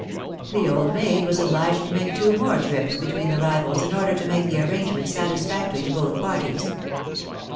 The old maid was obliged to make two more trips between the rivals in order to make the arrangement satisfactory to both parties.